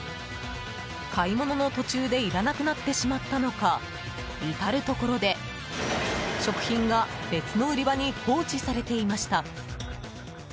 買い物の途中でいらなくなってしまったのか至るところで、食品が別の売り場に放置されていました。